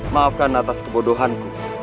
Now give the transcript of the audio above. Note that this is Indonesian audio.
maafkan atas kebodohanku